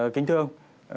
kính thưa ông